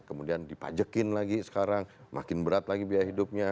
kemudian dipajekin lagi sekarang makin berat lagi biaya hidupnya